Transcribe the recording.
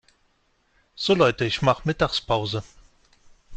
So Leute, ich mache Mittagspause.